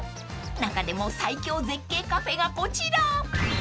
［中でも最強絶景カフェがこちら］